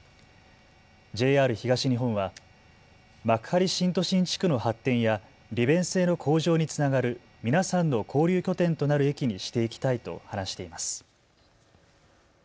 ＪＲ東日本は幕張新都心地区の発展や利便性の向上につながる皆さんの交流拠点となる駅にしていきたいと話しています。